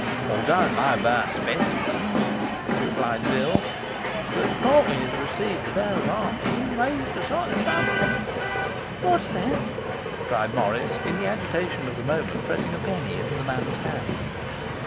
'I don't know about specimens,' replied Bill; 'but the party as received the barrel I mean raised a sight of trouble.' 'What's that?' cried Morris, in the agitation of the moment pressing a penny into the man's hand.